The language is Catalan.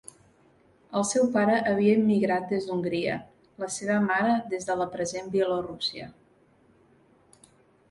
El seu pare havia immigrat des d'Hongria; la seva mare des de la present Bielorússia.